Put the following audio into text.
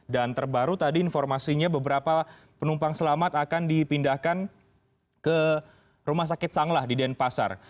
dan terbaru tadi informasinya beberapa penumpang selamat akan dipindahkan ke rumah sakit sanglah di denpasar